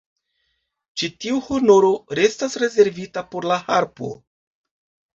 Ĉi tiu honoro restas rezervita por la harpo.